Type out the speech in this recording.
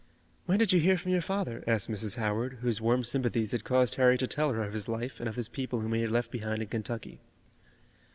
"When did you hear from your father?" asked Mrs. Howard, whose warm sympathies had caused Harry to tell her of his life and of his people whom he had left behind in Kentucky.